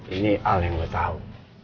ini al yang lo tau